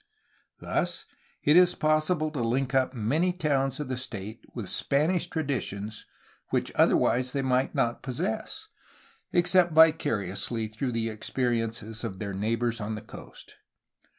Thus it is possible to link up many towns of the state with the Spanish traditions which other wise they might not possess, except vicariously through the experiences of their neighbors of the coast.